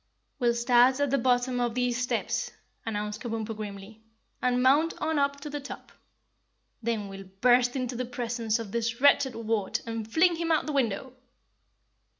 "We'll start at the bottom of these steps," announced Kabumpo grimly, "and mount on up to the top. Then we'll burst into the presence of this wretched wart and fling him out of the window."